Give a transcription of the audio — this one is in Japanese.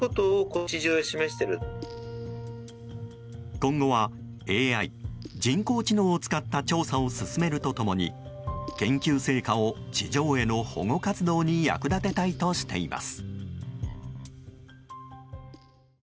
今後はＡＩ・人工知能を使った調査を進めると共に研究成果を地上絵の保護活動に役立てたいとしています。